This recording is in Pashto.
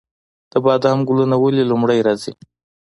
د بادام ګلونه ولې لومړی راځي؟